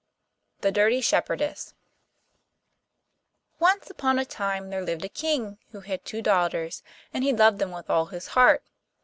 THE DIRTY SHEPHERDESS Once upon a time there lived a King who had two daughters, and he loved them with all his heart.